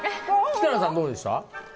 設楽さん、どうでした？